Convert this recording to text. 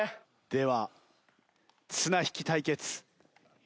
では綱引き対決用意。